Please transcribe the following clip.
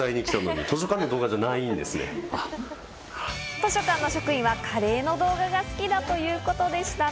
図書館の職員はカレーの動画が好きだということでしたね。